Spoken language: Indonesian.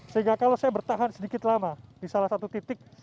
sehingga kalau saya bertahan sedikit lama di salah satu titik